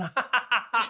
ハハハハ！